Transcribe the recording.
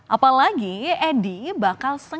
apalagi edi bakal sengit bersaing